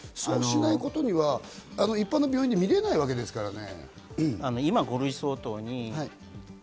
そうしないことには一般の病院で診られないわけですからね。